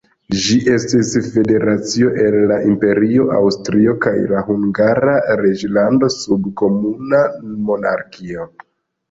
Ĝi estis federacio el la imperio Aŭstrio kaj la Hungara reĝlando sub komuna monarko.